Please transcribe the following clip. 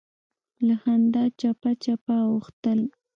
له خندا چپه چپه اوښتل.